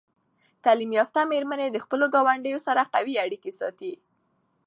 تعلیم یافته میرمنې د خپلو ګاونډیانو سره قوي اړیکې ساتي.